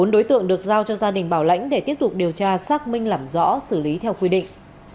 bốn đối tượng được giao cho gia đình bảo lãnh để tiếp tục điều tra xác minh làm rõ xử lý theo quy định